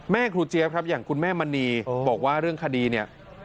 ครูเจี๊ยบครับอย่างคุณแม่มณีบอกว่าเรื่องคดีเนี่ย